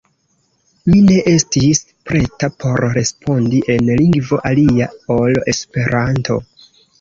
Mi ne estis preta por respondi en lingvo alia ol Esperanto.